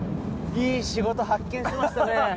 いい仕事発見しましたね。